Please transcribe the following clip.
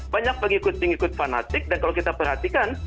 banyak pengikut pengikut fanatik dan kalau kita perhatikan